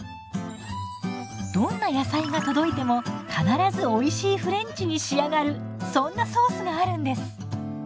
どんな野菜が届いても必ずおいしいフレンチに仕上がるそんなソースがあるんです！